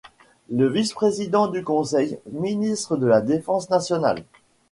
Le vice-Président du conseil, ministre de la Défense Nationale.